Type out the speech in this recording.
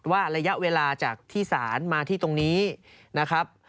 ระยะเวลาจากที่ศาลมาที่ตรงนี้นะครับ